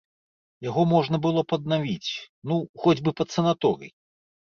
Яго можна было б аднавіць, ну, хоць бы пад санаторый.